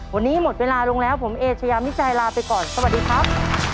วันนี้หมดเวลาลงแล้วผมเอเชยามิจัยลาไปก่อนสวัสดีครับ